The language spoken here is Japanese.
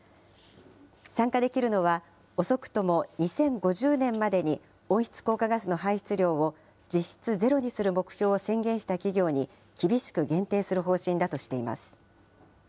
参加できるのは、遅くとも２０５０年までに温室効果ガスの排出量を実質ゼロにする目標を宣言した企業に厳しく限定する方針だとしています。